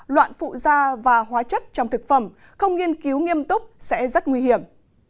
loạn phụ da và hóa chất trong thực phẩm không nghiên cứu nghiêm túc sẽ rất nguy hiểm